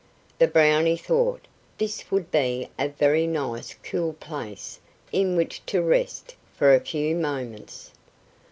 The Brownie thought this would be a very nice cool place in which to rest for a few moments.